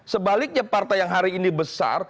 sebaliknya partai yang hari ini besar